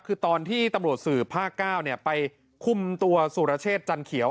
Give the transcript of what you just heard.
คือตอนที่ตำรวจสืบภาค๙ไปคุมตัวสุรเชษจันเขียว